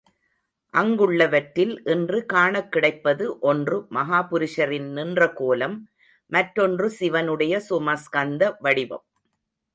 அங்குள்ளவற்றில் இன்று காணக் கிடைப்பது ஒன்று மகாபுருஷரின் நின்ற கோலம், மற்றொன்று சிவனுடைய சோமாஸ்கந்த வடிவம்.